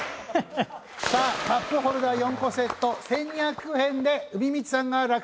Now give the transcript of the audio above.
さあカップホルダー４個セット１２００円でうみみちさんが落札です。